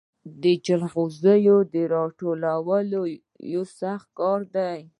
د جلغوزیو راټولول یو سخت کار دی.